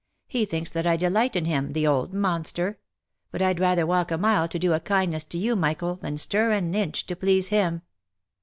He thinks that I delight in him, the old monster ! but I'd rather walk a mile to do a kindness to you Michael, than stir an inch, to please him."